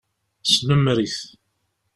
Snemmer-it.